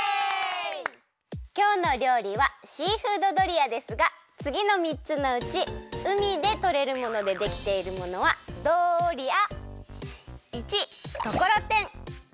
きょうのりょうりはシーフードドリアですがつぎのみっつのうち海でとれるものでできているものはドリア？